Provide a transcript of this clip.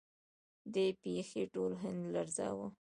دې پیښې ټول هند لړزاوه.